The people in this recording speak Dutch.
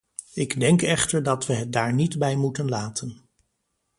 Ik denk echter dat we het daar niet bij moeten laten.